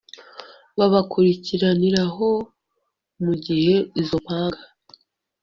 babakurikiraniraho mu gihe izo mpanga